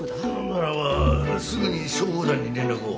ならばすぐに消防団に連絡を。